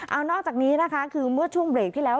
เอานอกจากนี้นะคะคือเมื่อช่วงเบรกที่แล้ว